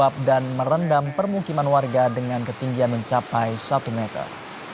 permukiman warga dengan ketinggian mencapai satu meter